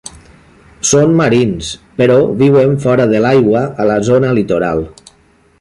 Són marins, però viuen fora de l’aigua, a la zona litoral.